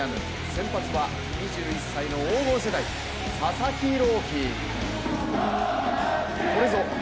先発は２１歳の黄金世代佐々木朗希。